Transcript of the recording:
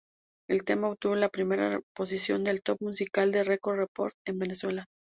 El tema obtuvo la primera posición del Top Musical de Record Report en Venezuela.